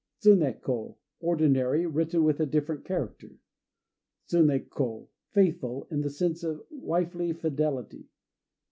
Tsuné ko "Ordinary," written with a different character. Tsuné ko "Faithful," in the sense of wifely fidelity.